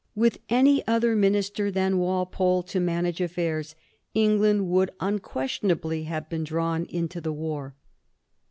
With any other minister than Walpole to manage affairs, England would unquestionably have been drawn into the war.